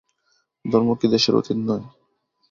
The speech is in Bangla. ধর্ম কি দেশের অতীত নয়?